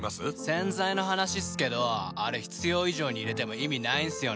洗剤の話っすけどあれ必要以上に入れても意味ないんすよね。